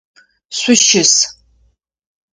Шъущыс!